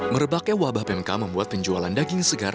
merebak ewa abah pmk membuat penjualan daging segar